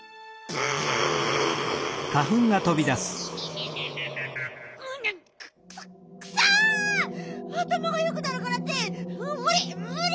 あたまがよくなるからってむり！